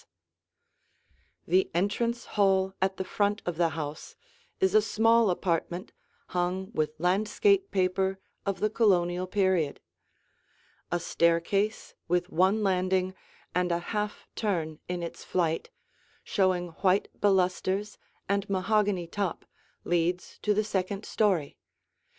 [Illustration: The Hall] The entrance hall at the front of the house is a small apartment hung with landscape paper of the Colonial period; a staircase with one landing and a half turn in its flight, showing white balusters and mahogany top, leads to the second story.